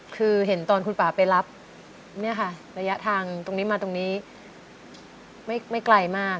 คือเห็นตอนคุณป่าไปรับเนี่ยค่ะระยะทางตรงนี้มาตรงนี้ไม่ไกลมาก